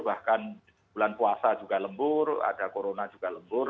bahkan bulan puasa juga lembur ada corona juga lembur